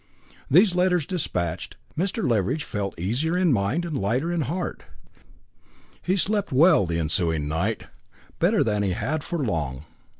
These letters despatched, Mr. Leveridge felt easier in mind and lighter at heart. He slept well the ensuing night, better than he had for long.